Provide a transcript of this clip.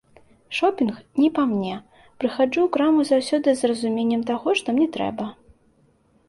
Шопінг не па мне, прыходжу ў краму заўсёды з разуменнем таго, што мне трэба.